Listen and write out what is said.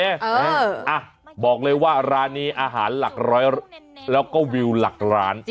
อ่ะบอกเลยว่าร้านนี้อาหารหลักร้อยแล้วก็วิวหลักร้าน